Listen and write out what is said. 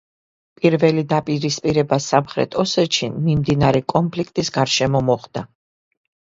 პირველი დაპირისპირება სამხრეთ ოსეთში მიმდინარე კონფლიქტის გარშემო მოხდა.